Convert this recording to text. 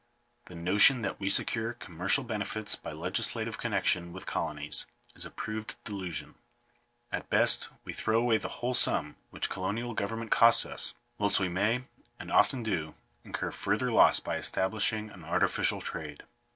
The notion that we secure commercial benefits by legislative connection with colonies, is a proved delusion. At best we throw away the whole sum which colonial government costs us ; whilst we may, and often do, incur further loss, by establishing an arti ficial trade.